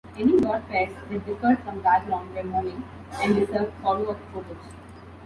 Any dot-pairs that differed from background were moving, and deserved follow-up photos.